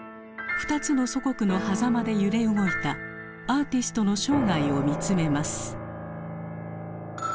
２つの祖国のはざまで揺れ動いたアーティストの生涯を見つめます。